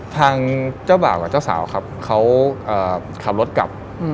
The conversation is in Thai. ทางเจ้าบ่าวกับเจ้าสาวครับเขาขับรถกลับ